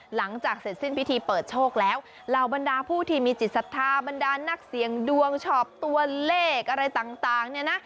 หลังจากเสร็จสิ้นพิธีเปิดโชคแล้วเหล่าบรรดาผู้ที่มีจิตศรัทธาบรรดานักเสี่ยงดวงชอบตัวเลขอะไรต่างเนี่ยนะ